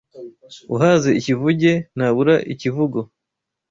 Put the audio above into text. Uhaze ikivuge, ntabura ikivugo